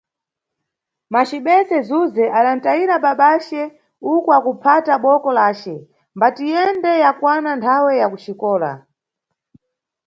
Macibese Zuze, adantayira babace uku akuphata boko lace, mbatiyende, yakwana nthawe ya kuxikola.